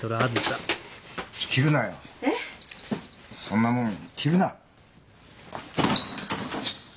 そんなもん着るな。